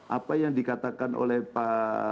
apa yang dikatakan oleh pak